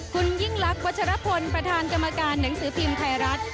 คุณยิ่งลักษ์วัชรพลประธานกรรมการหนังสือพิมพ์ไทยรัฐ